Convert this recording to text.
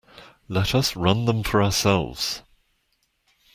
Let us run them for ourselves.